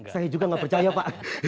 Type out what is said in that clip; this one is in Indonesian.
saya juga nggak percaya pak